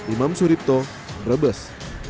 imam suripto rebes